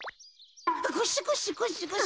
ゴシゴシゴシゴシ。